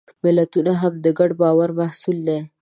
ملتونه هم د ګډ باور محصول دي.